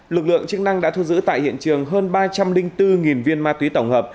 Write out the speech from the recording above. lực lượng chức năng đã thu giữ tại hiện trường hơn ba trăm linh bốn viên ma túy tổng hợp